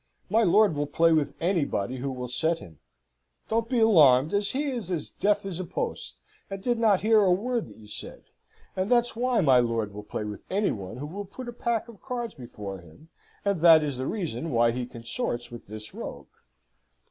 My lord will play with anybody who will set him. Don't be alarmed, he is as deaf as a post, and did not hear a word that you said; and that's why my lord will play with anybody who will put a pack of cards before him, and that is the reason why he consorts with this rogue."